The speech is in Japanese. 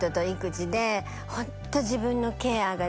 ホント。